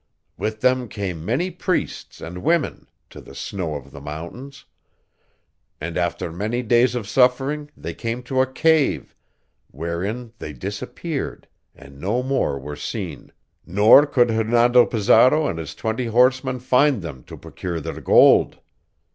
"With them came many priests and women, to the snow of the mountains. And after many days of suffering they came to a cave, wherein they disappeared and no more were seen, nor could Hernando Pizarro and his twenty horsemen find them to procure their gold.